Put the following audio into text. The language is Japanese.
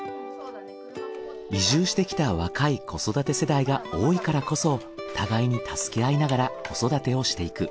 移住してきた若い子育て世代が多いからこそ互いに助け合いながら子育てをしていく。